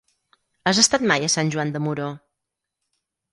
Has estat mai a Sant Joan de Moró?